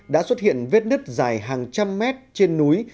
đã xuất hiện vết nứt dài hàng trăm mét trên núi